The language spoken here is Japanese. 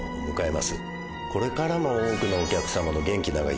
これからも多くのお客様の元気・長生き